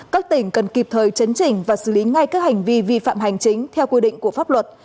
các tỉnh cần kịp thời chấn chỉnh và xử lý ngay các hành vi vi phạm hành chính theo quy định của pháp luật